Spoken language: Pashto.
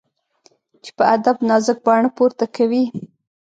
چي په ادب نازک باڼه پورته کوي